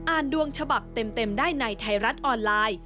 ดวงฉบับเต็มได้ในไทยรัฐออนไลน์